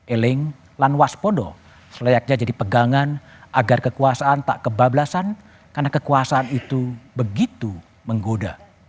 eling lanwaspodo selayaknya jadi pegangan agar kekuasaan tak kebablasan karena kekuasaan itu begitu menggoda